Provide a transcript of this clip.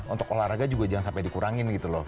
untuk olahraga juga jangan sampai dikurangin gitu loh